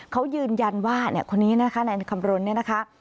เขายืนยันว่าเนี่ยคนนี้นะคะในคำร้นนี้นะคะ